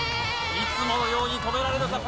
いつものように停められるか？